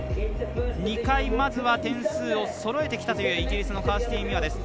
２回、まずは点数をそろえてきたというイギリスのカースティ・ミュア。